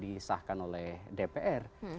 disahkan oleh dpr